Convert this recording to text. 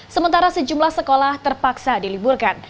sementara sejumlah sekolah terpaksa diliburkan